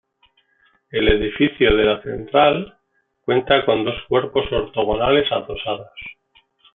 El edificio de la Central cuenta con dos cuerpos ortogonales adosados.